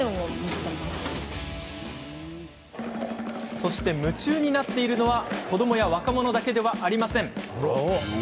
そして、夢中になっているのは子どもや若者だけではありません。